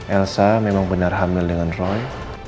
elsa memang benar hamil dengan roy